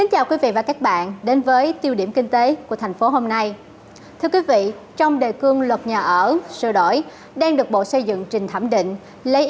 hãy đăng ký kênh để ủng hộ kênh của chúng mình nhé